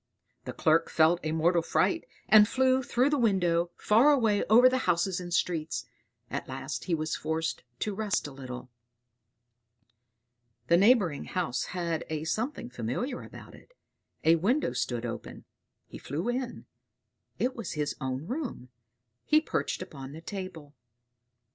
The Clerk felt a mortal fright, and flew through the window, far away over the houses and streets. At last he was forced to rest a little. The neighboring house had a something familiar about it; a window stood open; he flew in; it was his own room. He perched upon the table.